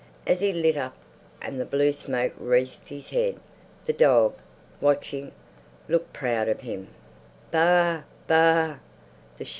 As he lit up and the blue smoke wreathed his head, the dog, watching, looked proud of him. "Baa! Baaa!"